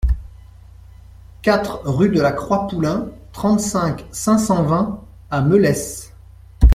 quatre rue de La Croix Poulin, trente-cinq, cinq cent vingt à Melesse